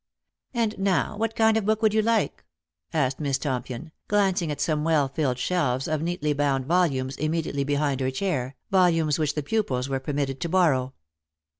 " And now what kind of book would you like ?" asked Miss Tompion, glancing at some well filled shelves of neatly bound volumes immediately behind her chair, volumes which the pupils were permitted to borrow.